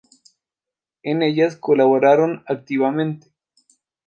En ellas colaboraron activamente.